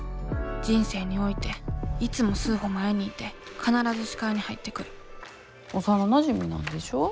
人生においていつも数歩前にいて必ず視界に入ってくる幼なじみなんでしょ？